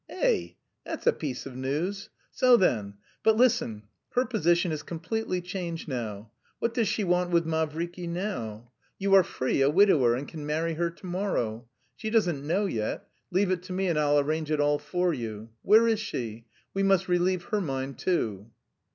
"Eh! That's a piece of news! So then... But listen, her position is completely changed now. What does she want with Mavriky now? You are free, a widower, and can marry her to morrow. She doesn't know yet leave it to me and I'll arrange it all for you. Where is she? We must relieve her mind too."